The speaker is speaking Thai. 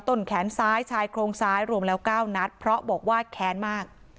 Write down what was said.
ต้นแขนซ้ายชายโครงซ้ายรวมแล้ว๙นัดเพราะบอกว่าแค้นมาก